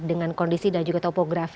dengan kondisi dan juga topografi